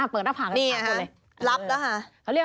เปิดหน้าผากก็จอดเลย